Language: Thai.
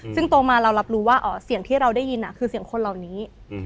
ซึ่งโตมาเรารับรู้ว่าเสียงที่เราได้ยินคือเสียงคนเหล่านี้